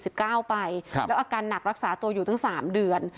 ไปครับแล้วอาการหนักรักษาตัวอยู่ตั้งสามเดือน